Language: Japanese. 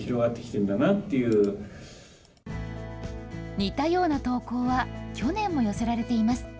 似たような投稿は、去年も寄せられています。